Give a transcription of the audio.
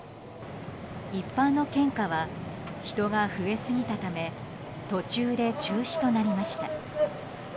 一般の献花は人が増えすぎたため途中で中止となりました。